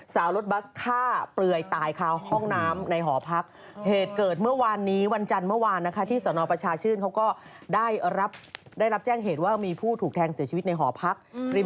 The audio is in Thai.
สาวรถบัสฆ่าเปลื่อยตายข่าวห้องน้ำในหอพัก